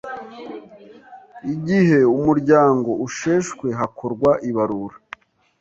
Igihe umuryango usheshwe hakorwa ibarura